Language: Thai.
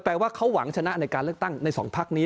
ว่าเขาหวังชนะในการเลือกตั้งใน๒พักนี้